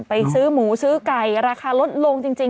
ไปซื้อหมูซื้อไก่ราคาลดลงจริง